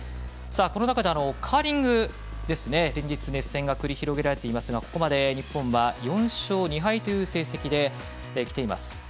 この中でカーリング、連日熱戦が繰り広げられていますがここまで日本は４勝２敗という成績できています。